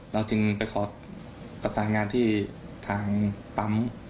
เราจึงไปขอประสานงานที่ทางปั๊ม